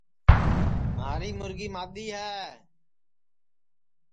مھاری مُرگی مادؔی ہے